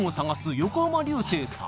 横浜流星さん